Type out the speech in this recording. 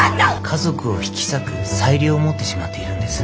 家族を引き裂く裁量を持ってしまっているんです。